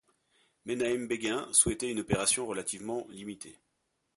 Menahem Begin souhaitait une opération relativement limitée.